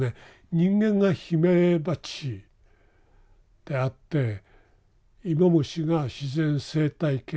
人間がヒメバチであってイモムシが自然生態系であると。